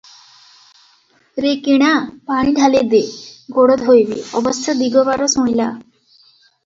ରେ କିଣା, ପାଣି ଢାଳେ ଦେ ଗୋଡ଼ ଧୋଇବି ।' ଅବଶ୍ୟ ଦିଗବାର ଶୁଣିଲା ।